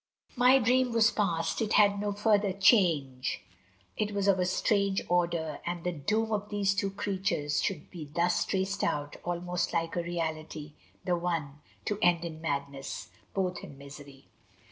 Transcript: IX My dream was past; it had no further change. It was of a strange order, that the doom Of these two creatures should be thus traced out Almost like a reality the one To end in madness both in misery.